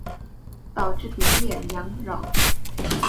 导致丙寅洋扰。